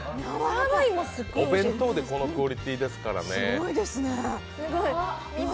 お弁当でこのクオリティーですからね。